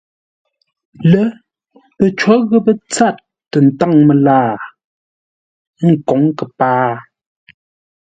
Lə́, pəcó ghəpə́ tsâr tə ntáŋ məlaa, ə́ nkǒŋ kəpaa.